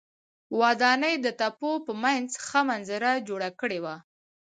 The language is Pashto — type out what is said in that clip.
ودانۍ د تپو په منځ ښه منظره جوړه کړې وه.